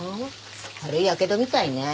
軽いやけどみたいね。